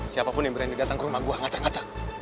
siapapun yang berani datang ke rumah gue ngacak ngacak